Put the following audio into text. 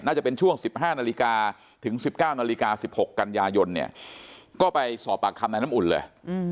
จะเป็นช่วง๑๕นาฬิกาถึง๑๙นาฬิกา๑๖กันยายนเนี่ยก็ไปสอบปากคำในน้ำอุ่นเลย